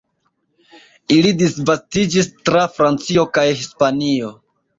Ili disvastiĝis tra Francio kaj Hispanio.